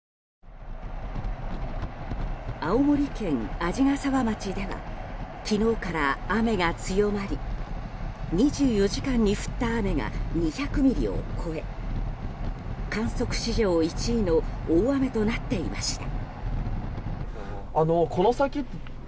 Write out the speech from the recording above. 青森県鰺ヶ沢町では昨日から雨が強まり２４時間に降った雨が２００ミリを超え観測史上１位の大雨となっていました。